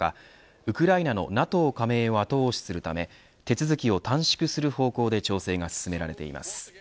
ウクライナのＮＡＴＯ加盟を後押しするため手続きを短縮する方向で調整が進められています。